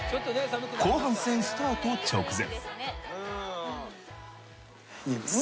後半戦スタート直前。